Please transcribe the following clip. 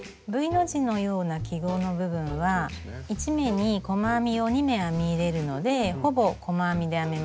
Ｖの字のような記号の部分は１目に細編みを２目編み入れるのでほぼ細編みで編めます。